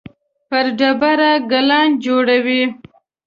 پر ډبره ګلان جوړوي